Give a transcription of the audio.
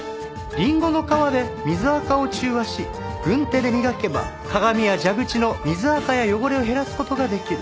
リンゴの皮で水あかを中和し軍手で磨けば鏡や蛇口の水あかや汚れを減らす事ができる。